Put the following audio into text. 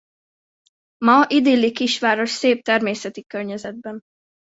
Ma idilli kisváros szép természeti környezetben.